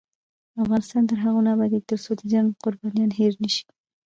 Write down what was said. افغانستان تر هغو نه ابادیږي، ترڅو د جنګ قربانیان هیر نشي.